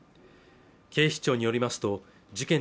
警視庁によりますと事件